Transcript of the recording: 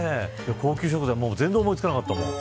高級食材、全然思いつかなかったもん。